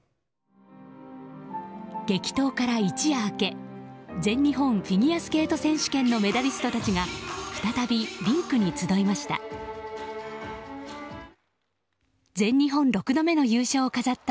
激闘から一夜明け、全日本フィギュアスケート選手権のメダリストたちが再びリンクに集いました。